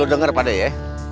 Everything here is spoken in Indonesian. lo denger pada ya